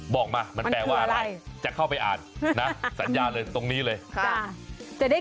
บอกมามีอะไรจะเข้าไปอ่านนะสัญญาเลยตรงนี้เลยครับจะได้